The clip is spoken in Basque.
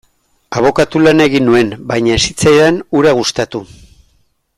Abokatu lana egin nuen, baina ez zitzaidan hura gustatu.